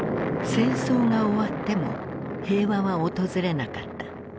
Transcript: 戦争が終わっても平和は訪れなかった。